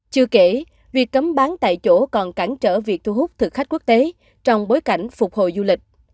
chưa kể việc cấm bán tại chỗ còn cản trở việc thu hút thực khách quốc tế trong bối cảnh phục hồi du lịch